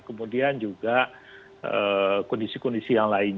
kemudian juga kondisi kondisi yang lain